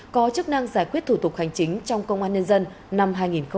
có chức năng giải quyết thủ tục hành chính trong công an nhân dân năm hai nghìn hai mươi ba